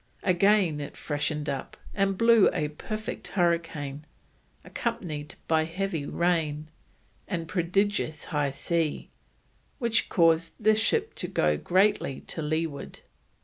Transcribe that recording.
Again it freshened up and blew a perfect hurricane, accompanied by heavy rain, and a "prodidgeous high sea," which caused the ship to go greatly to leeward.